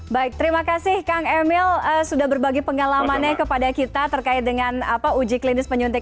baik terima kasih kang emil sudah berbagi pengalamannya kepada kita terkait dengan uji klinis penyuntik